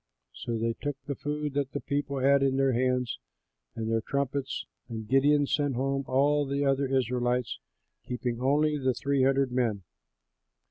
So they took the food that the people had in their hands, and their trumpets; and Gideon sent home all the other Israelites, keeping only the three hundred men.